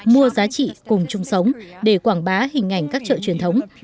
mua giá trị cùng chung sống để quảng bá hình ảnh các chợ truyền thống